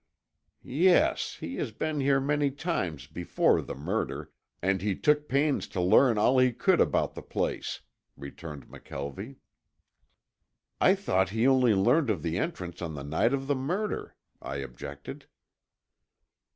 "Yes, he had been here many times before the murder, and he took pains to learn all he could about the place," returned McKelvie. "I thought he only learned of the entrance on the night of the murder," I objected.